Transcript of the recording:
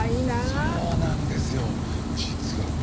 そうなんですよ実は僕。